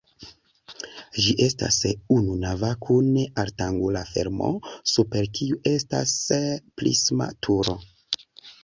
Ĝi estas ununava kun ortangula fermo, super kiu estas prisma turo.